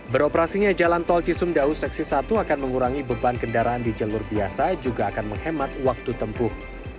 beroperasinya jalan tol cisumdau seksi satu akan mengurangi beban kendaraan di jalur biasa juga akan menghemat waktu tempuh